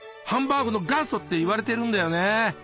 ハンバーグの元祖って言われてるんだよね。